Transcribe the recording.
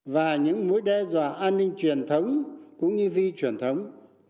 và những mối đe dọa an ninh truyền thống cũng như phi truyền thống